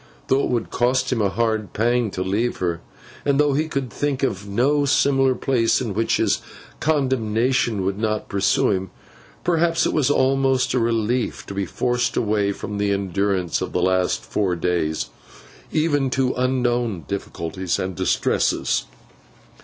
Though it would cost him a hard pang to leave her, and though he could think of no similar place in which his condemnation would not pursue him, perhaps it was almost a relief to be forced away from the endurance of the last four days, even to unknown difficulties and distresses.